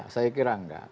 saya kira enggak